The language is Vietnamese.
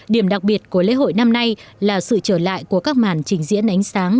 điểm đặc biệt của lễ hội năm nay là sự trở lại của các màn trình diễn ánh sáng